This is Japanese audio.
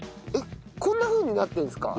こんなふうになってるんですか？